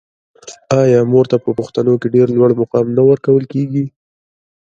آیا مور ته په پښتنو کې ډیر لوړ مقام نه ورکول کیږي؟